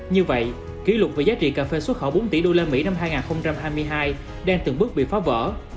như vậy kỷ lục về giá trị cà phê xuất khẩu bốn tỷ usd năm hai nghìn hai mươi hai đang từng bước bị phá vỡ